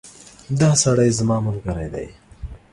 دا سړی زما ملګری دی